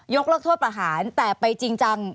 เลิกโทษประหารแต่ไปจริงจัง